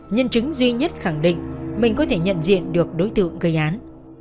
nhân chứng duy nhất khẳng định mình có thể nhận diện được đối tượng gây án